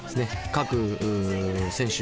各選手